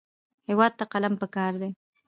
هېواد ته قلم پکار دی